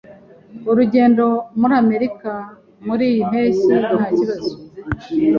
Urugendo muri Amerika muriyi mpeshyi ntakibazo.